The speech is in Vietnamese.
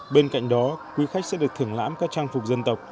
bên cạnh đó quý khách sẽ được thưởng lãm các trang phục dân tộc